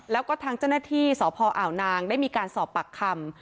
แล้วก็ทางเจ้าหน้าที่สพอ่าวนางได้มีการสอบปากคำ